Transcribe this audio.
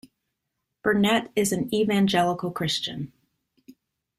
Burnett is an Evangelical Christian.